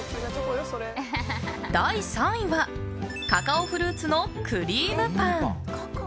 第３位はカカオフルーツのクリームパン。